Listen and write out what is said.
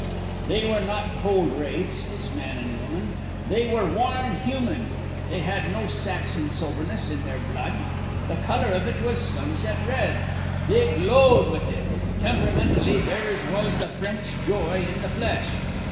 "They were not cold wraiths, this man and woman. They were warm human. They had no Saxon soberness in their blood. The colour of it was sunset red. They glowed with it. Temperamentally theirs was the French joy in the flesh.